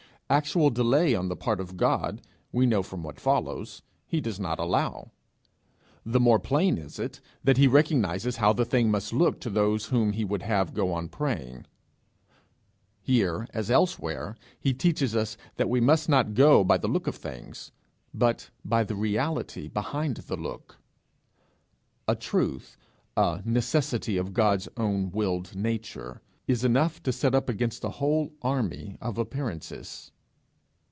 Actual delay on the part of God, we know from what follows, he does not allow; the more plain is it that he recognizes how the thing must look to those whom he would have go on praying. Here as elsewhere he teaches us that we must not go by the look of things, but by the reality behind the look. A truth, a necessity of God's own willed nature, is enough to set up against a whole army of appearances.